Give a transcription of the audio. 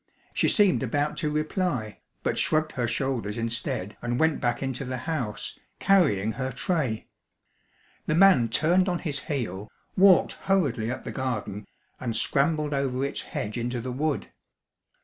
She seemed about to reply, but shrugged her shoulders instead and went back into the house, carrying her tray. The man turned on his heel, walked hurriedly up the garden, and scrambled over its hedge into the wood.